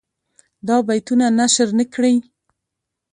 دا بیتونه نشر نه کړي.